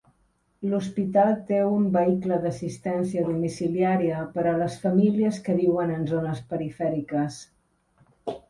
L'hospital té un vehicle d'assistència domiciliària per a les famílies que viuen en zones perifèriques.